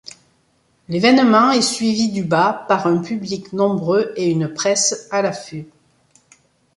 L'événement est suivi du bas par un public nombreux et une presse à l'affût.